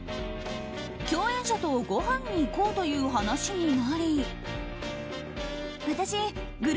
共演者とごはんに行こうという話になり。